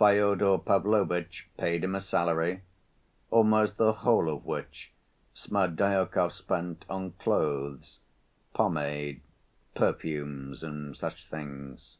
Fyodor Pavlovitch paid him a salary, almost the whole of which Smerdyakov spent on clothes, pomade, perfumes, and such things.